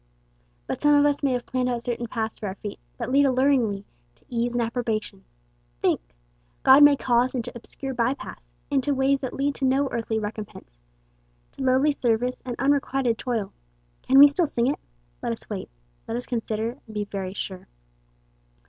"But some of us may have planned out certain paths for our own feet, that lead alluringly to ease and approbation. Think! God may call us into obscure bypaths, into ways that lead to no earthly recompense, to lowly service and unrequited toil. Can we still sing it? Let us wait. Let us consider and be very sure."